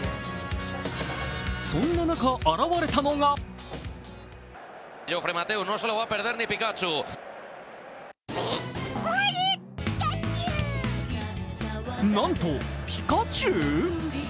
そんな中、現れたのがなんと、ピカチュウ？